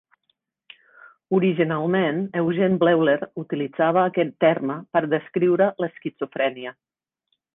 Originalment, Eugen Bleuler utilitzava aquest terme per descriure l'esquizofrènia.